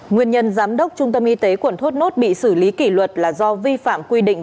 nguyên nhân giám đốc trung tâm y tế quận thốt nốt bị xử lý kỷ luật là do vi phạm quy định